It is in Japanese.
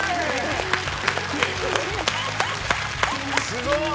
すごーい！